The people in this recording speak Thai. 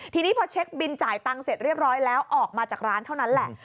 ทีนี้พอเช็คบินจ่ายตังค์เสร็จเรียบร้อยแล้วออกมาจากร้านเท่านั้นแหละ